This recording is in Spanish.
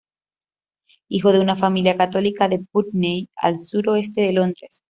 Hijo de una familia católica de Putney, al suroeste de Londres.